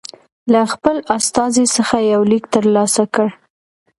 له خپل استازي څخه یو لیک ترلاسه کړ.